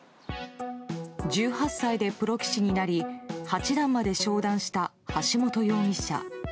１８歳でプロ棋士になり八段まで昇段した橋本容疑者。